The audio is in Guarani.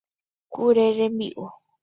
Kure rembi'u.